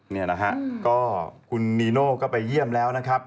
นี่นะฮะก็คุณนีโน่ก็ไปเยี่ยมแล้วนะครับ